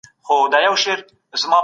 ښه ذهنیت خپګان نه جوړوي.